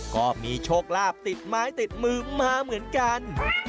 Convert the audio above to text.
ก็มีโชคลาภติดไม้ติดมือมาเหมือนกัน